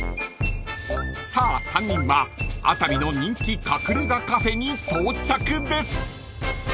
［さあ３人は熱海の人気隠れ家カフェに到着です］